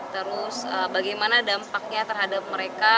terus bagaimana dampaknya terhadap mereka